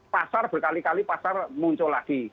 pasar berkali kali pasar muncul lagi